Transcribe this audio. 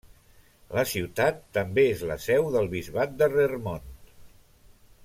La ciutat també és la seu del bisbat de Roermond.